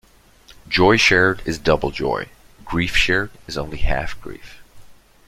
Joy shared is double joy; grief shared is only half grief.